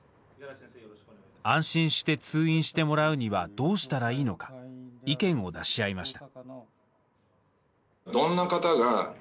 安心して通院してもらうにはどうしたらいいのか意見を出し合いました。